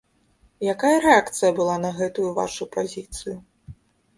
Якая рэакцыя была на гэтую вашу пазіцыю?